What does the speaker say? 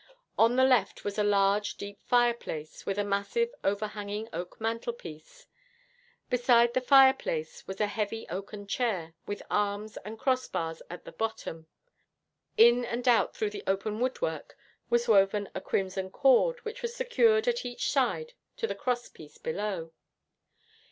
On the left was a large, deep fireplace, with a massive, overhanging oak mantelpiece. Beside the fireplace was a heavy oaken chair with arms and crossbars at the bottom. In and out through the open woodwork was woven a crimson cord, which was secured at each side to the crosspiece below.